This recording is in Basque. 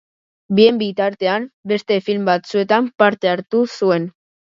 Bien bitartean beste film batzuetan parte hartu zuen.